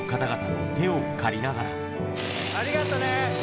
ありがとね。